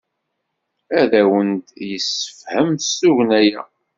Ad awent-d-yessefhem s tugna-a.